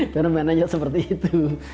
karena manajer seperti itu